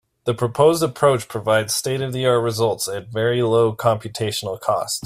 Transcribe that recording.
The proposed approach provides state-of-the-art results at very low computational cost.